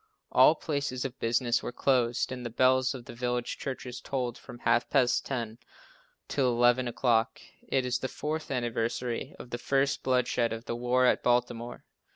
All places of business were closed and the bells of the village churches tolled from half past ten till eleven o'clock. It is the fourth anniversary of the first bloodshed of the war at Baltimore.